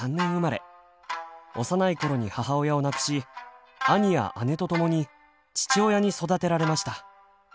幼いころに母親を亡くし兄や姉とともに父親に育てられました。